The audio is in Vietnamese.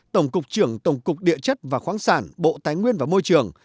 tổng cục trưởng tổng cục địa chất và khoáng sản bộ tái nguyên và môi trường